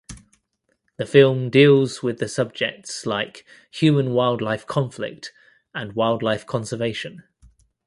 The film deals with the subjects like human–wildlife conflict and wildlife conservation.